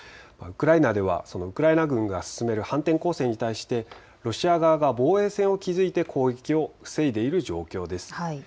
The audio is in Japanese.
ウクライナではウクライナ軍が進める反転攻勢に対してロシア側が防衛線を築いて攻撃を防いでいる状況です。